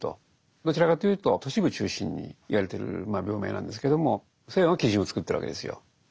どちらかというと都市部中心に言われてる病名なんですけども西欧が基準を作ってるわけですよ。